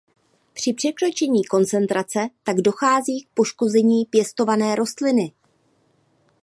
Při překročení koncentrace tak dochází k poškození pěstované rostliny.